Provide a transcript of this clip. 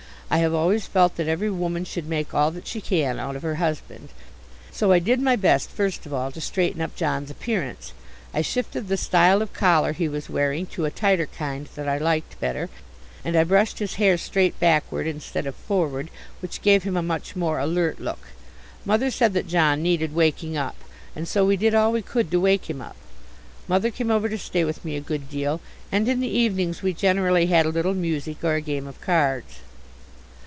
I have always felt that every woman should make all that she can out of her husband. So I did my best first of all to straighten up John's appearance. I shifted the style of collar he was wearing to a tighter kind that I liked better, and I brushed his hair straight backward instead of forward, which gave him a much more alert look. Mother said that John needed waking up, and so we did all we could to wake him up. Mother came over to stay with me a good deal, and in the evenings we generally had a little music or a game of cards.